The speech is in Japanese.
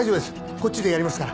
こっちでやりますから。